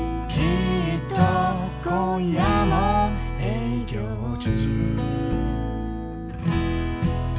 「きっと今夜も営業中」